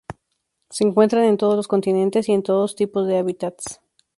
Se encuentran en todos los continentes y en todos tipos de hábitats.